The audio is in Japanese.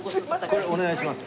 これお願いします。